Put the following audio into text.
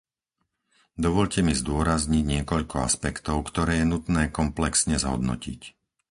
Dovoľte mi zdôrazniť niekoľko aspektov, ktoré je nutné komplexne zhodnotiť.